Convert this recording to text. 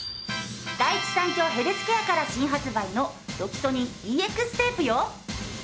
第一三共ヘルスケアから新発売のロキソニンＥＸテープよ！